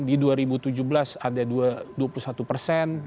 di dua ribu tujuh belas ada dua puluh satu persen